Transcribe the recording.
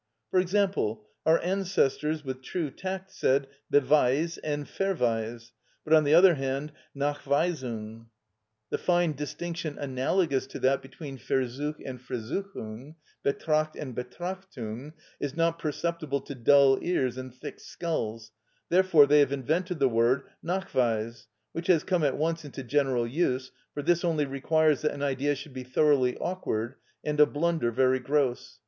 For example, our ancestors, with true tact, said "Beweis" and "Verweis;" but, on the other hand, "Nachweisung." The fine distinction analogous to that between "Versuch" and "Versuchung," "Betracht" and "Betrachtung," is not perceptible to dull ears and thick skulls; therefore they have invented the word "Nachweis," which has come at once into general use, for this only requires that an idea should be thoroughly awkward and a blunder very gross.